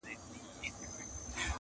دارو د پوهي وخورﺉ کنې عقل به مو وخوري-